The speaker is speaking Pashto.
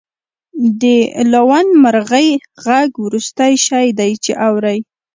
د لوون مرغۍ غږ وروستی شی دی چې اورئ